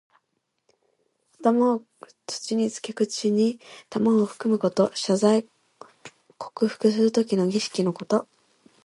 頭を土につけ、口に玉をふくむこと。謝罪降伏するときの儀式のこと。